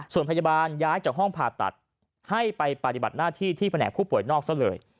ส่วนพยาบาลย้ายจากห้องผ่าตัดให้ไปปฏิบัติหน้าที่ที่แผนกผู้ป่วยนอกซะเลย